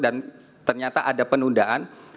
dan ternyata ada penundaan